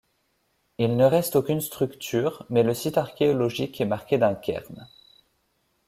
Il ne reste aucune structure, mais le site archéologique est marqué d'un cairn.